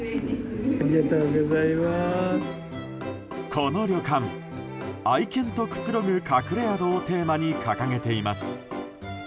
この旅館愛犬とくつろぐ隠れ宿をテーマに掲げています。